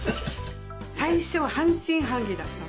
最初半信半疑だったの。